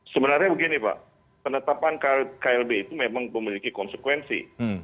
sebenarnya begini pak penetapan klb itu memang memiliki konsekuensi